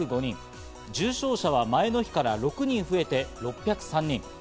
重症者は前の日から６人増えて６０３人。